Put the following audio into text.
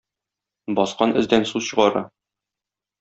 Баскан эздән су чыгара.